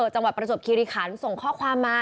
จังหวัดประจบคิริคันส่งข้อความมา